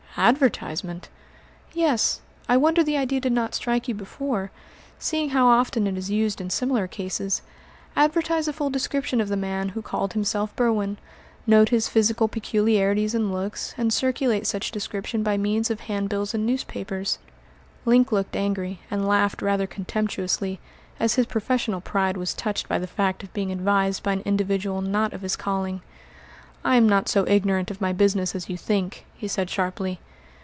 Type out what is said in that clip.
"Advertisement!" "Yes. I wonder the idea did not strike you before, seeing how often it is used in similar cases. Advertise a full description of the man who called himself Berwin, note his physical peculiarities and looks, and circulate such description by means of handbills and newspapers." Link looked angry, and laughed rather contemptuously, as his professional pride was touched by the fact of being advised by an individual not of his calling. "I am not so ignorant of my business as you think," he said sharply.